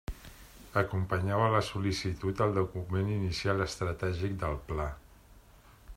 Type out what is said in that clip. Acompanyava la sol·licitud el document inicial estratègic del Pla.